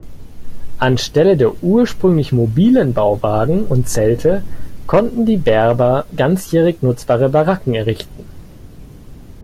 Anstelle der ursprünglich mobilen Bauwagen und Zelte konnten die Berber ganzjährig nutzbare Baracken errichten.